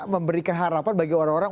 memberikan harapan bagi orang orang